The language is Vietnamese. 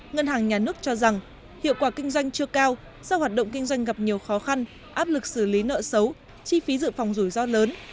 ngân hàng nhà nước cho rằng hiệu quả kinh doanh chưa cao do hoạt động kinh doanh gặp nhiều khó khăn áp lực xử lý nợ xấu chi phí dự phòng rủi ro lớn